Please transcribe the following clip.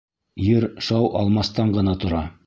Ер шау алмастан ғына тора.